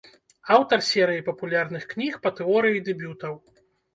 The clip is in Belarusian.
Аўтар серыі папулярных кніг па тэорыі дэбютаў.